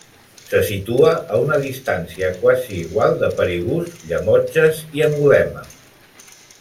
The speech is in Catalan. Se situa a una distància quasi igual de Perigús, Llemotges i Angulema.